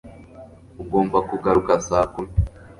ugomba kugaruka saa kumi